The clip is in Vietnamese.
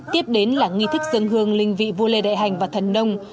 tiếp đến là nghi thức dân hương linh vị vua lê đại hành và thần nông